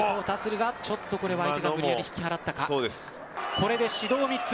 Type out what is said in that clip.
これで指導３つ。